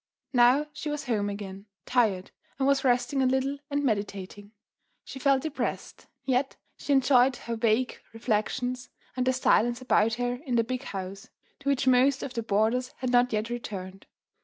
Now she was home again, tired, and was resting a little and meditating; she felt depressed, yet she enjoyed her vague reflections and the silence about her in the big house, to which most of the boarders had not yet returned.